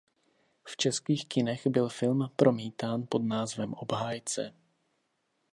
V českých kinech byl film promítán pod názvem Obhájce.